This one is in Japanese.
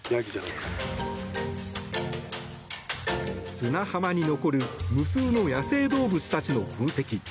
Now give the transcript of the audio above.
砂浜に残る無数の野生動物たちの痕跡。